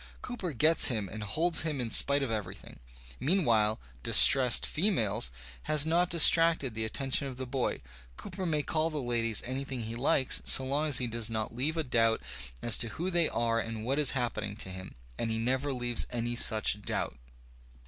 Cooper gets him and holds him in spite of everything. Mean while "" distressed females" has not distracted the attention of the boy. Cooper nuiy call the ladies anything he likes so long as he does not leave a doubt as to who they are and what is happening to them; and he never leaves any such doubt.